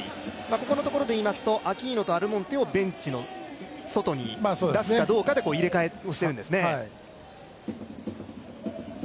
ここのところでいいますと、アキノーとアルモンテをベンチの外に出すかどうかで入れ替えをしてるんですね。